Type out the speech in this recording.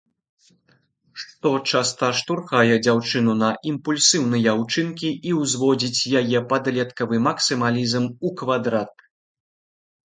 Што часта штурхае дзяўчыну на імпульсіўныя ўчынкі і ўзводзіць яе падлеткавы максімалізм ў квадрат.